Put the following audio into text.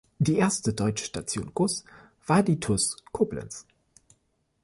Die erste deutsche Station Gus war die TuS Koblenz.